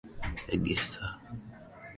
Egesa anapitia shida hiyo